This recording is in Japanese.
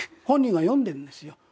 本人が読んでるんですよ。